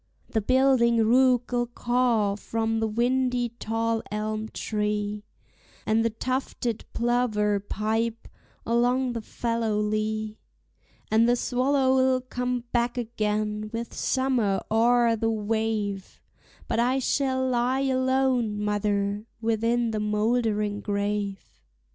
The building rook'll caw from the windy tall elm tree, And the tufted plover pipe along the fallow lea, And the swallow'll come back again with summer o'er the wave, But I shall lie alone, mother, within the moldering grave.